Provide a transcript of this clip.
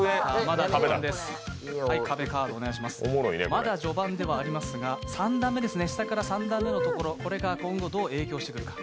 まだ序盤ではありますが、下から３段目のところ、これが今後、どう影響してくるか。